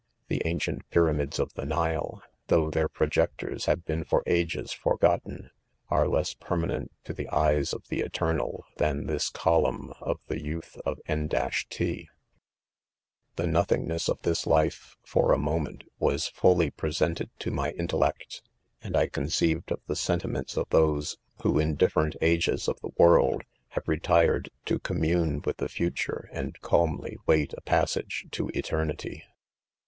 The ancient pyramids of the Nile, though 'rtheir projectors have been for ages forgotten, lare less perma nent to the eyes of the Eternal than "this col umn' to the youth of.N —■— M'." \ 6 The notMnipess of this life, for,a.momera, was fully predated to my intellect ; and 1 con ceived of the '"sentiments of those, who iit dif . rfereat ; ages of the world,, have retired to com fflu»e;withthe future, and calmly wait, a pas° sage to eternity.